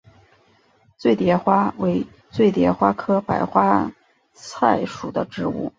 醉蝶花为醉蝶花科白花菜属的植物。